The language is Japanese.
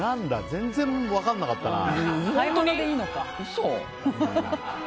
全然分かんなかったな。